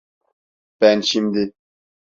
Ben şimdi…